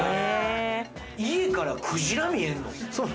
家からクジラ見えんの？